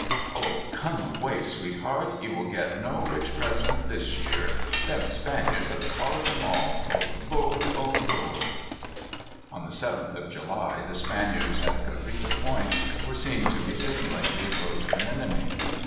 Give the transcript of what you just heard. "Oh, come away, sweetheart. You'll get no rich present this year; them Spaniards have collared 'em all. O Lord! O Lord!" On the 7th of July the Spaniards at Cabrita Point were seen to be signalling the approach of an enemy.